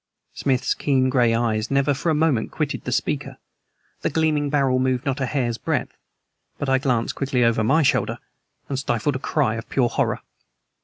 Smith's keen gray eyes never for a moment quitted the speaker. The gleaming barrel moved not a hair's breadth. But I glanced quickly over my shoulder and stifled a cry of pure horror.